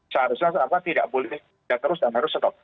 seharusnya tidak boleh terus dan harus stop